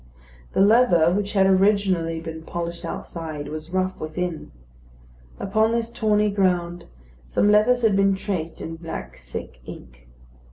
The leather, which had originally been polished outside, was rough within. Upon this tawny ground some letters had been traced in black thick ink.